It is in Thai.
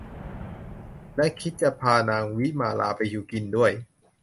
และคิดจะพานางวิมาลาไปอยู่กินด้วย